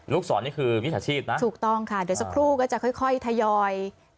ศรนี่คือมิจฉาชีพนะถูกต้องค่ะเดี๋ยวสักครู่ก็จะค่อยทยอย